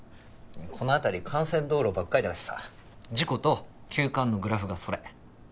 この辺り幹線道路ばっかりだしさ事故と急患のグラフがそれ。